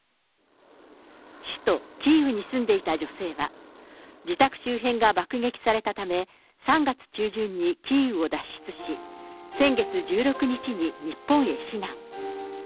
首都キーウに住んでいた女性は、自宅周辺が爆撃されたため、３月中旬にキーウを脱出し、先月１６日に日本へ避難。